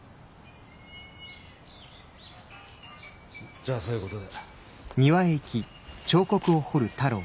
じゃあそういうことで。